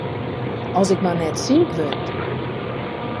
As ik mar net siik wurd!